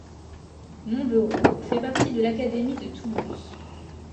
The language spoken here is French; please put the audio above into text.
Montberaud fait partie de l'académie de Toulouse.